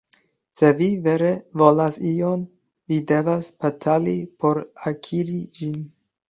Se vi vere volas ion, vi devas batali por akiri ĝin.